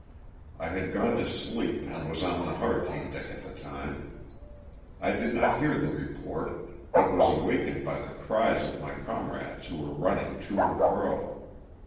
I had gone to sleep, and was on the hurricane deck at the time. I did not hear the report, but was awakened by the cries of my comrades who were running to and fro.